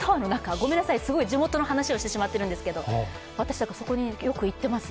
ごめんなさい、すごい地元の話をしてしまってるんですけど私、そこによく行ってます。